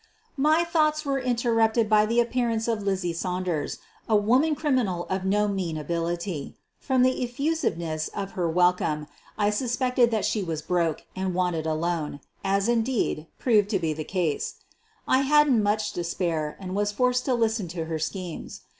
My thoughts were interrupted by the appearance of Lizzie Saunders, a woman criminal of no mean ability. From the effusiveness of her welcome I suspected that she was "broke" and wanted a loan, as, indeed, proved to be the case. I hadn't much to spare, and was forced to listen to her schemes.